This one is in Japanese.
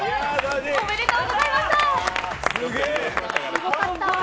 おめでとうございました、すごかった。